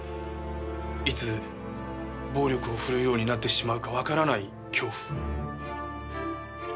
いつ暴力を振るうようになってしまうかわからない恐怖。